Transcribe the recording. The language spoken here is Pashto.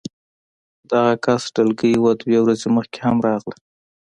د هغه کس ډلګۍ دوه ورځې مخکې هم راغله